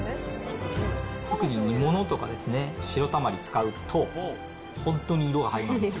特に煮物とかですね、しろたまり使うと、本当に色が入らないんですよ。